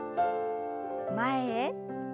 前へ。